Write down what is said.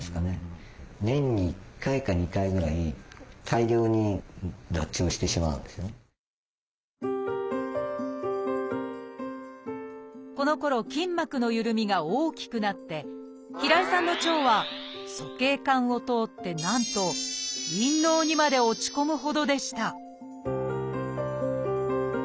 ４０代になると結局このころ筋膜のゆるみが大きくなって平井さんの腸は鼠径管を通ってなんと陰嚢にまで落ち込むほどでした